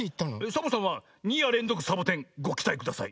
サボさんは「２やれんぞくサボテンごきたいください」。